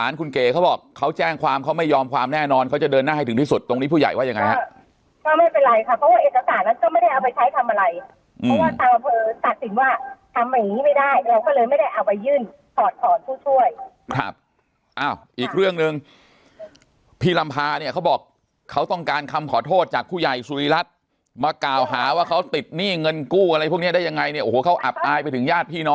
ยืนยันว่าเขาหัก๕ตำแหน่งยังไม่ครบ๕๐๐๐๐แล้วทำไมมันหยุดไป